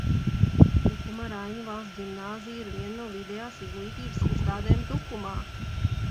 Tukuma Raiņa Valsts ģimnāzija ir viena no vidējās izglītības iestādēm Tukumā.